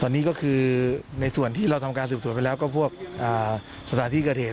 ตอนนี้ก็คือในส่วนที่เราทำการสืบสวนไปแล้วก็พวกสถานที่เกิดเหตุ